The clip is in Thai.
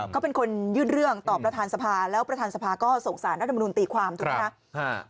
เขาเป็นคนยื่นเรื่องต่อประธานสภาแล้วประธานสภาก็ส่งสารรัฐมนุนตีความถูกไหมคะ